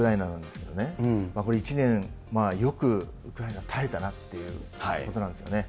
続いて、私もウクライナなんですけれどもね、これ、１年、よくウクライナ、耐えたなっていうことなんですよね。